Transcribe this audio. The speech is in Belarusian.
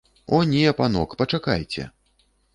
О не, панок, пачакайце!